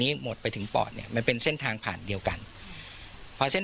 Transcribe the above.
หมดไปถึงปอดเนี้ยมันเป็นเส้นทางผ่านเดียวกันพอเส้น